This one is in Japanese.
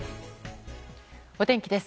お天気です。